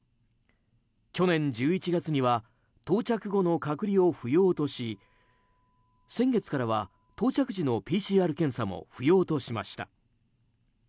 去年１１月には到着後の隔離を不要とし先月からは到着時のＰＣＲ検査も不要としました。